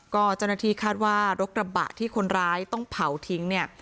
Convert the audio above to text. ก็เจ้าหน้าที่คาดว่ารถกระบะที่คนร้ายต้องเผาทิ้งเนี่ย